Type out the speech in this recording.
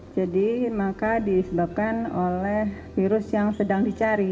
jadi maka disebabkan oleh virus yang sedang dicari